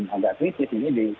agak krisis ini di